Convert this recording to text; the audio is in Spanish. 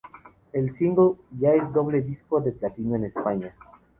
El single ya es Doble Disco de Platino en España.